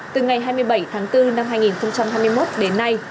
từ ngày hai mươi bảy tháng bốn năm hai nghìn hai mươi một đến nay